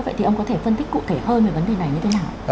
vậy thì ông có thể phân tích cụ thể hơn về vấn đề này như thế nào ạ